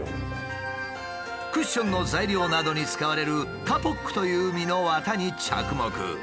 クッションの材料などに使われる「カポック」という実の綿に着目。